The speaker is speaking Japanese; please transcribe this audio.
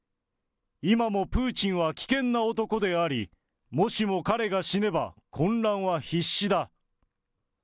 今もプーチンは危険な男であり、もしも彼が死ねば、混乱は必至だ。